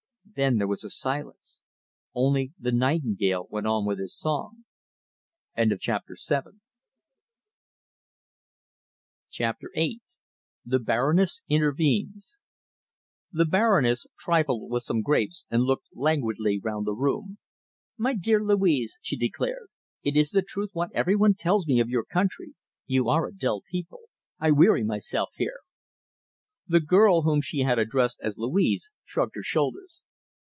Then there was silence. Only the nightingale went on with his song. CHAPTER VIII THE BARONESS INTERVENES The Baroness trifled with some grapes and looked languidly round the room. "My dear Louise," she declared, "it is the truth what every one tells me of your country. You are a dull people. I weary myself here." The girl whom she had addressed as Louise shrugged her shoulders.